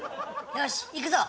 よしいくぞ！